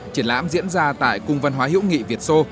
triển lãm diễn ra tại cung văn hóa hữu nghị việt sô